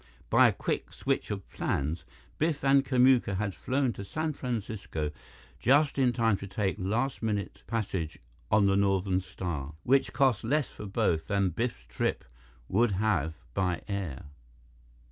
By a quick switch of plans, Biff and Kamuka had flown to San Francisco just in time to take last minute passage on the Northern Star, which cost less for both than Biff's trip would have by air.